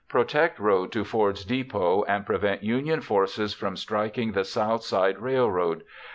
_ Protect road to Ford's Depot and prevent Union forces from striking the south side railroad.